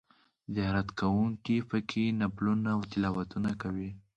زیارت کوونکي په کې نفلونه او تلاوتونه کوي.